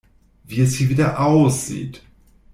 Wie es hier wieder aussieht!